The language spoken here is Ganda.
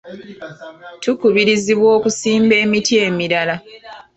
Tukubirizibwa okusimba emiti emirala.